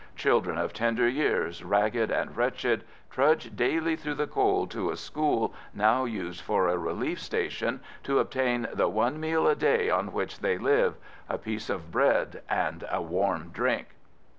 Children of tender years, ragged and wretched, trudge daily through the cold to a school now used for a relief station to obtain the one meal a day on which they live—a piece of bread and a warm drink."